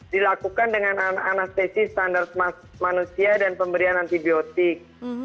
dilakukan dengan anestesi standar manusia dan pemberian antibiotik